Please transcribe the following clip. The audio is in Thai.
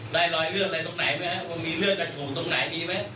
ได้รอยเลือกอะไรตรงไหนมั้ยฮะว่ามีเลือกกระถูตรงไหนมีมั้ย